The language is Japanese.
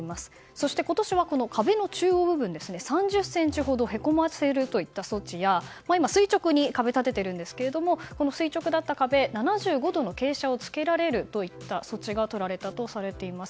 そして、今年は壁の中央部分３０ｃｍほどへこませるといった措置や今、これは垂直に壁を立てていますがこの垂直だった壁７５度の傾斜をつけられるといった措置が取られたとされています。